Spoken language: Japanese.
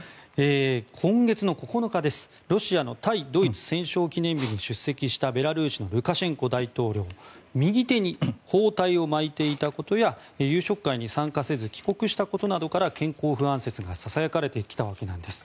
今月９日ロシアの対ドイツ戦勝記念日に出席したベラルーシのルカシェンコ大統領右手に包帯を巻いていたことや夕食会に参加せず帰国したことなどから健康不安説がささやかれてきたわけです。